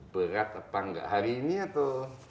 berat apa enggak hari ini atau